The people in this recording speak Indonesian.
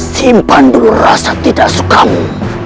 simpan dulu rasa tidak sukamu